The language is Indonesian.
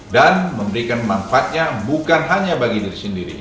dan memberikan manfaatnya bukan hanya bagi diri sendiri